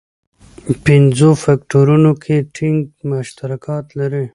پنځو فکټورونو کې ټینګ مشترکات لري.